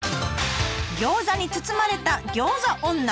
餃子に包まれた餃子女。